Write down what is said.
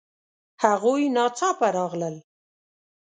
هغوی ناڅاپه راغلل